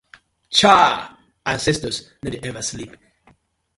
Chaaah!! Ancestors no dey ever sleep.